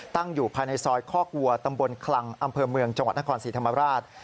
ตั้งอยู่ภายในซอยคอกวัวตำบลคลังอำเภอเมืองจังหวัดนครศรีธรรมราช